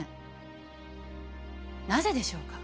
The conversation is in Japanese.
なぜでしょうか？